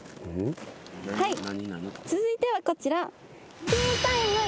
はい続いてはこちら。